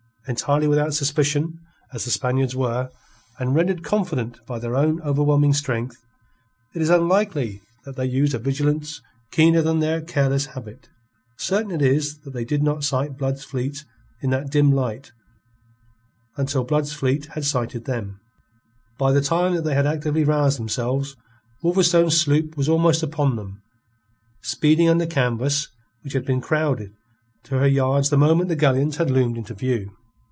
Entirely without suspicion as the Spaniards were, and rendered confident by their own overwhelming strength, it is unlikely that they used a vigilance keener than their careless habit. Certain it is that they did not sight Blood's fleet in that dim light until some time after Blood's fleet had sighted them. By the time that they had actively roused themselves, Wolverstone's sloop was almost upon them, speeding under canvas which had been crowded to her yards the moment the galleons had loomed into view.